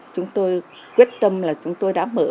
chúng tôi quyết tâm là chúng tôi đã mở